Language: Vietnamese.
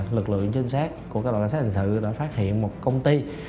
lực lượng chính xác của các loại quan sát hành sự đã phát hiện một công ty